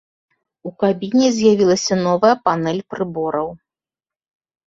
У кабіне з'явілася новая панэль прыбораў.